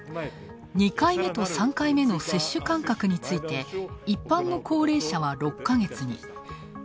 ２回目と３回目の接種間隔について一般の高齢者は６か月に。